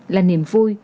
là niềm vui